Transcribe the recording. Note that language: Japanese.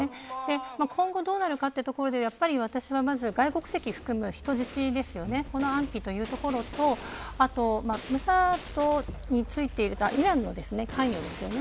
今後どうなるかというところで私はまず、外国籍を含む人質の安否というところとムサドについているイランの関与ですよね。